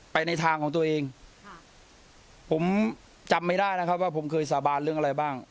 ในทางของตัวเองค่ะผมจำไม่ได้นะครับว่าผมเคยสาบานเรื่องอะไรบ้าง